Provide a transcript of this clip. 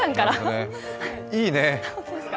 いいね。